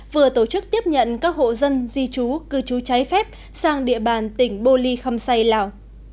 vừa tổ chức tiếp nhận các hộ dân di trú cư trú trái phép sang địa bàn tỉnh bô ly khâm say lào